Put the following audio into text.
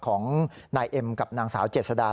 ของนายเอ็มกับนางสาวเจษดา